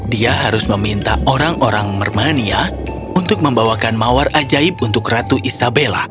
dia harus meminta orang orang mermania untuk membawakan mawar ajaib untuk ratu isabella